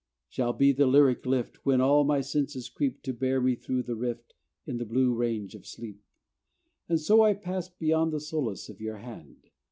Shall be the lyric lift, When all my senses creep, To bear me through the rift In the blue range of sleep. And so I pass beyond The solace of your hand.